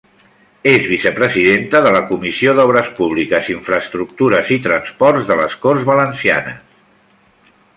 És vicepresidenta de la Comissió d'Obres Públiques, Infraestructures i Transports de les Corts Valencianes.